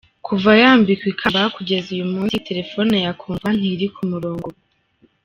Kuva yambikwa ikamba kugeza uyu munsi, telefone ya Kundwa ntiri ku murongo.